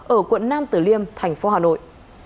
ở quận nam tử liêm thành phố hà nội